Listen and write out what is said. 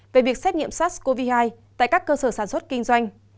về việc xét nghiệm sars cov hai tại các cơ sở sản xuất kinh doanh